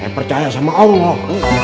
saya percaya sama allah